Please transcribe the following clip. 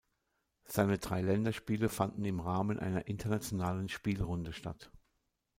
Seine drei Länderspiele fanden im Rahmen einer Internationalen Spielrunde statt.